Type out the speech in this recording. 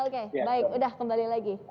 oke baik udah kembali lagi